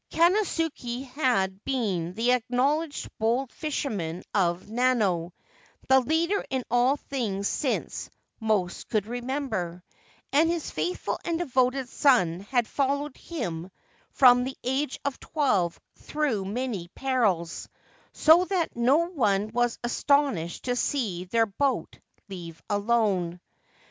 Kansuke had been the acknowledged bold fisherman of Nanao, the leader in all things since most could remember, and his faithful and devoted son had followed him from the age of twelve through many perils ; so that no one was astonished to see their boat leave alone.